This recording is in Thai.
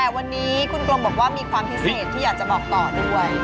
ยินดีด้วยยินดีด้วย